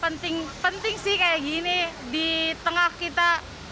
penting penting sih kayak gini di tengah kita